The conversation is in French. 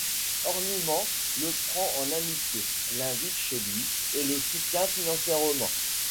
Horniman le prend en amitié, l'invite chez lui et le soutient financièrement.